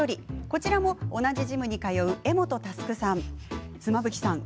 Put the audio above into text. こちらも同じジムに通う柄本佑さん。